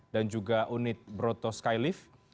dan juga unit broto skylift